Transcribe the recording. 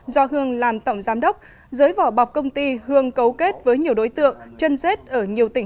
do hương làm tổng giám đốc giới vỏ bọc công ty hương cấu kết với nhiều đối tượng chân rết ở nhiều tỉnh